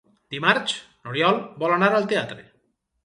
Dimarts n'Oriol vol anar al teatre.